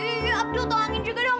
ini abdul tolongin juga dong